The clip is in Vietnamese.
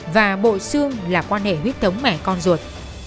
và bộ xương là quan hệ huyết thống mẹ con ruột